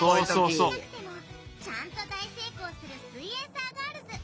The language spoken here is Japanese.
最初はできなくてもちゃんと大成功するすイエんサーガールズ。